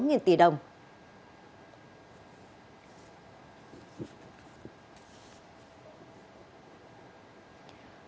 công an tỉnh cà mau vừa khởi tố